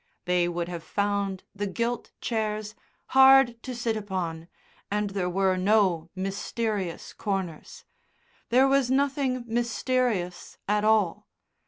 They would have found the gilt chairs hard to sit upon, and there were no mysterious corners. There was nothing mysterious at all.